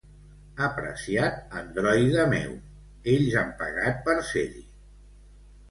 Apreciat androide meu, ells han pagat per ser-hi.